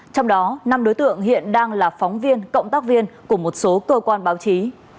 trong đó năm đối tượng hiện đang là phóng viên cộng tác viên của một số cơ quan báo chí